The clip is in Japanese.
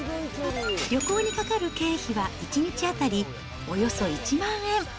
旅行にかかる経費は、１日当たり、およそ１万円。